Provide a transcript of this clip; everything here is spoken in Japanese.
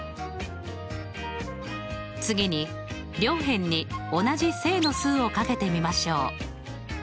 次に両辺に同じ正の数を掛けてみましょう。